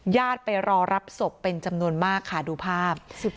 ญาติไปรอรับศพเป็นจำนวนมากค่ะดูภาพ